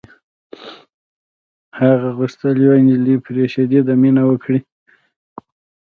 هغه غوښتل یوه نجلۍ پرې شدیده مینه وکړي